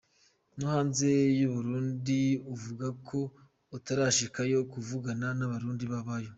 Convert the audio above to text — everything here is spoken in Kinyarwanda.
No hanze y'Uburundi uvuga ko utarashikayo kuvugana n'abarundi babayo.